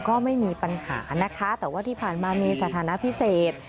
ก็ไม่มีปัญหานะคะแต่ว่าที่ผ่านมามีสถานะพิเศษ